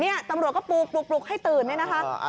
นี่ตำรวจก็ปลูกให้ตื่นเนี่ยนะคะ